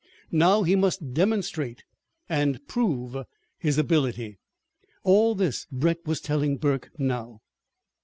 Now he must demonstrate and prove his ability. All this Brett was telling Burke now.